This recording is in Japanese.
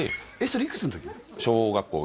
それいくつの時？